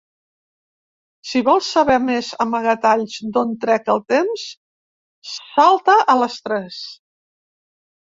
Si vols saber més amagatalls d'on trec el temps, salta a les tres.